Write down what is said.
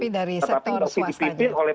sekarang ini tetapi dipimpin oleh